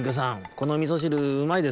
このみそしるうまいですね」。